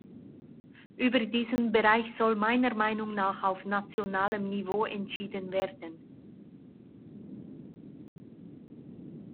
Über diesen Bereich soll meiner Meinung nach auf nationalem Niveau entschieden werden.